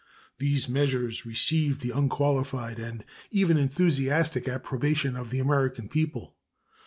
These measures received the unqualified and even enthusiastic approbation of the American people.